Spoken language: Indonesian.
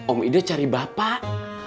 om idoi cari bapak